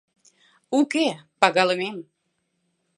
— Уке, пагалымем.